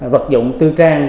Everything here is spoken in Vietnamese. vật dụng tư trang